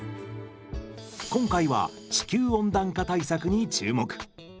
今回は地球温暖化対策に注目。